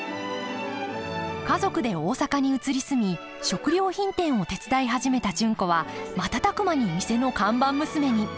家族で大阪に移り住み食料品店を手伝い始めた純子は瞬く間に店の看板娘に。